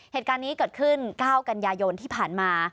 เหตุการณ์นี้เกิดขึ้น๙กันยายนที่ผ่านมา